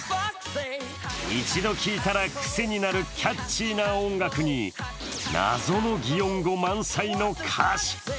一度聴いたら癖になるキャッチーな音楽に謎の擬音語満載の歌詞。